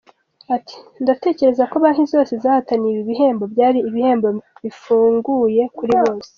Ati “Ndatekereza ko banki zose zahataniye ibi bihembo, byari ibihembo bifunguye kuri bose.